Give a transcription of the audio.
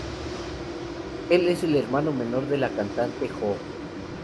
Él es el hermano menor de la cantante Joo.